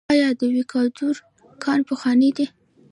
آیا د ویکادور کان پخوانی دی؟